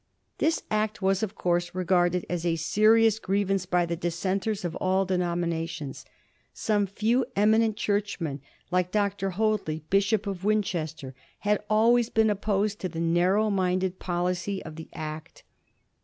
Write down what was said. This Act was, of course, regarded as a serious grievance by the Dissenters of all denominations. Some few eminent Churchmen, like Dr. Hoadley, Bishop of Win chester, had always been opposed to the narrow minded policy of the Act.